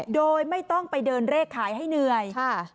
โดยไม่ต้องไปเดินเลขขายให้เหนื่อย